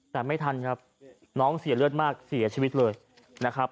แต่ไม่ทันครับน้องเสียเลือดมากเสียชีวิตเลยนะครับ